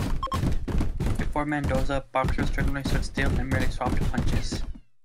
Before Mendoza, boxers generally stood still and merely swapped punches.